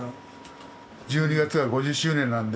１２月は５０周年なんで。